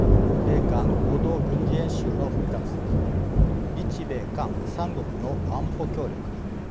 米韓合同軍事演習の復活日米韓３国の安保協力